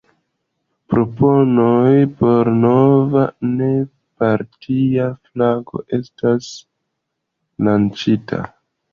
Proponoj por nova, ne-partia flago estis lanĉita.